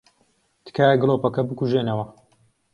تکایە گڵۆپەکە بکوژێنەوە.